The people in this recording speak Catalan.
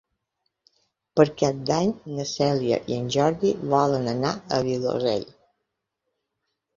Per Cap d'Any na Cèlia i en Jordi volen anar al Vilosell.